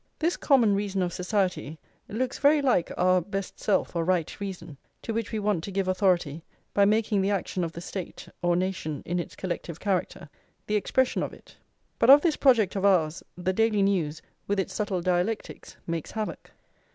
This common reason of society looks very like our best self or right reason, to which we want to give authority, by making the action of the State, or nation in its collective character, the expression of it. But of this project of ours, the Daily News, with its subtle dialectics, makes havoc.